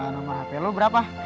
nomer hp lo berapa